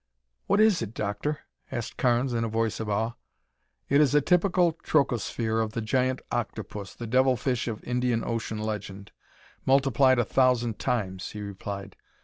"What is it, Doctor?" asked Carnes in a voice of awe. "It is a typical trochosphere of the giant octopus, the devil fish of Indian Ocean legend, multiplied a thousand times," he replied.